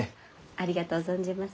ありがとう存じます。